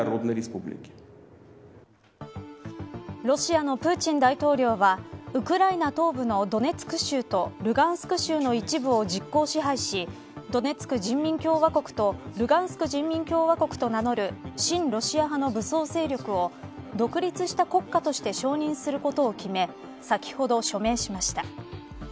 ロシアのプーチン大統領はウクライナ東部のドネツク州とルガンスク州の一部を実効支配しドネツク人民共和国とルガンスク人民共和国と名乗る親ロシア派の武装勢力を、独立した国家として承認することを決め先ほど署名しました。